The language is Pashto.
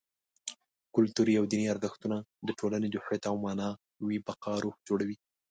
کلتوري او دیني ارزښتونه: د ټولنې د هویت او معنوي بقا روح جوړوي.